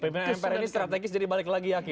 pemimpinan mpr ini strategis jadi balik lagi yakin